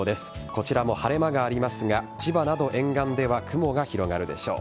こちらも晴れ間がありますが千葉など沿岸では雲が広がるでしょう。